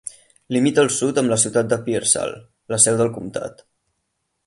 Limita al sud amb la ciutat de Pearsall, la seu del comtat.